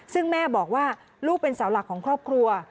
ซึ่งแม่บอกว่าลูกเป็นเสาหลักของครอบครัว